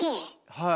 はい。